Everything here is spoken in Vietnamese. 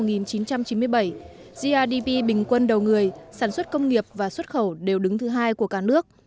grdp bình quân đầu người sản xuất công nghiệp và xuất khẩu đều đứng thứ hai của cả nước